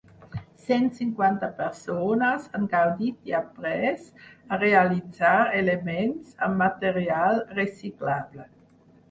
Cent cinquanta persones han gaudit i aprés a realitzar elements amb material reciclable.